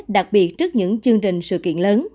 đặc biệt trước những chương trình sự kiện lớn